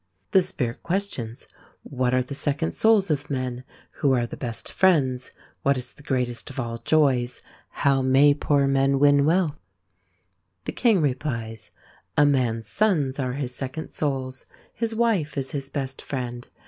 The Spirit questions : What are the second souls of men ? Who are the best friends ? What is the greatest of all joys ? How may poor men win wealth ? The King replies : A man's sons are his second souls. His wife is his best friend.